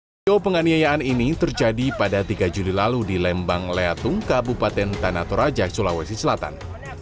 video penganiayaan ini terjadi pada tiga juli lalu di lembang leatung kabupaten tanah toraja sulawesi selatan